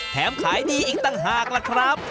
ขายดีอีกต่างหากล่ะครับ